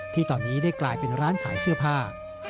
ที่ตอนนี้ได้กลายเป็นร้านขายเสื้อผ้า